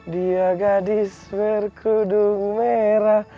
dia gadis berkudung merah